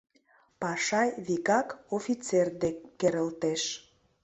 Пашай викак офицер дек керылтеш.